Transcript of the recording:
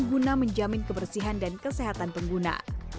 guna menjamin kebersihan dan kesehatan pengguna